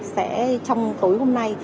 sẽ trong tối hôm nay